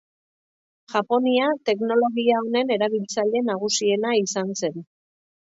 Japonia teknologia honen erabiltzaile nagusiena izan zen.